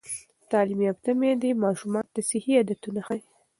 تعلیم یافته میندې ماشومانو ته صحي عادتونه ښيي.